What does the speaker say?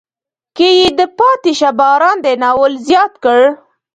کې یې د پاتې شه باران دی ناول زیات کړ.